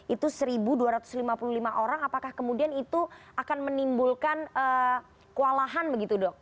itu satu dua ratus lima puluh lima orang apakah kemudian itu akan menimbulkan kewalahan begitu dok